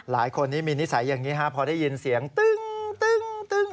หลายคนนี้มีนิสัยอย่างนี้ครับพอได้ยินเสียงตึ้ง